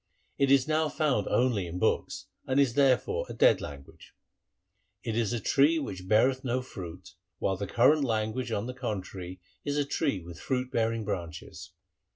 It is now found only in books, and is therefore a dead language. It is a tree which beareth no fruit, while the current language on the contrary is a tree with fruit bearing branches.